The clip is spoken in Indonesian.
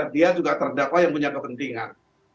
dia juga terdakwa yang punya kepentingan